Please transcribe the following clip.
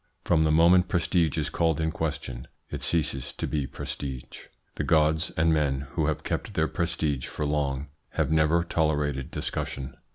From the moment prestige is called in question it ceases to be prestige. The gods and men who have kept their prestige for long have never tolerated discussion.